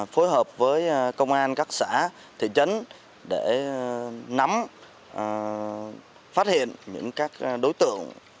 phối hợp với công an các xã thị trấn để nắm phát hiện những các đối tượng